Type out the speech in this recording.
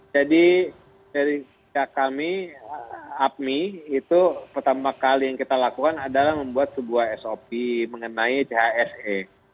jadi dari kami apmi itu pertama kali yang kita lakukan adalah membuat sebuah sop mengenai chse